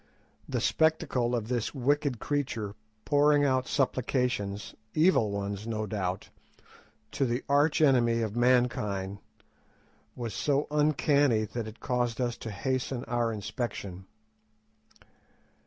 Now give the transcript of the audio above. The spectacle of this wicked creature pouring out supplications, evil ones no doubt, to the arch enemy of mankind, was so uncanny that it caused us to hasten our inspection.